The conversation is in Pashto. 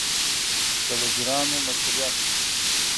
د وزیرانو مسوولیت